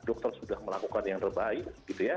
dokter sudah melakukan yang terbaik gitu ya